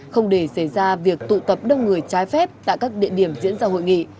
không để xảy ra việc tụ tập đông người trái phép tại các địa điểm diễn ra hội nghị